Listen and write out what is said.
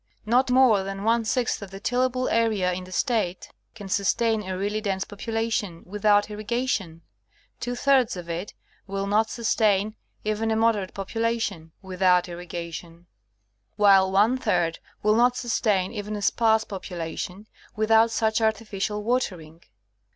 ISTot more than one sixth of the tillable area in the State can sustain a really dense population, without irrigation ; two thirds of it will not sustain even a moderate population, without irrigation ; while one third will not sustain even a sparse population, without such artificial watering.